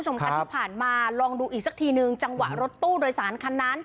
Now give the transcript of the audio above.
ที่ผ่านมาลองดูอีกสักทีหนึ่งจังหวะรถตู้โดยสารคันนั้น